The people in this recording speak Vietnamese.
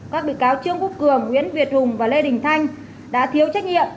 các bị cáo trương quốc cường nguyễn việt hùng và lê đình thanh đã thiếu trách nhiệm